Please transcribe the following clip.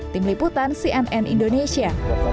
tim liputan cnn indonesia